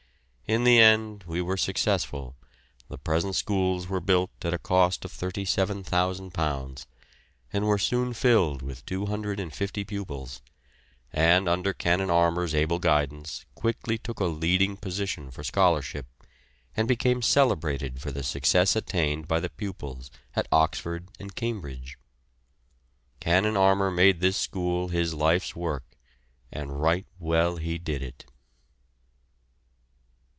In the end we were successful, the present schools were built at a cost of £37,000, and were soon filled with 250 pupils, and under Canon Armour's able guidance quickly took a leading position for scholarship, and became celebrated for the success attained by the pupils at Oxford and Cambridge. Canon Armour made this school his life's work, and right well he did it.